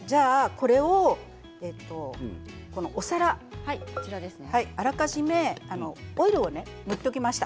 これを、お皿にあらかじめオイルを塗っておきました。